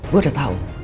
gue udah tau